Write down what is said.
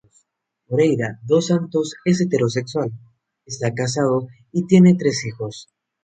Moreira dos Santos es heterosexual, está casado y tiene tres hijos.